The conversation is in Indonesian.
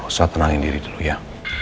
usah tenangin diri dulu ya